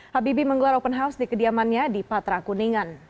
habibie menggelar open house di kediamannya di patra kuningan